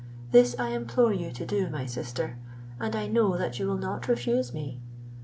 This I implore you to do, my sister; and I know that you will not refuse me."